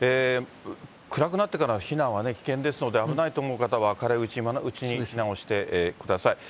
暗くなってからの避難は危険ですので、危ないと思う方は、明るいうちに避難をしてください。